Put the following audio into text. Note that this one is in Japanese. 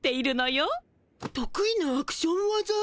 得意なアクション技？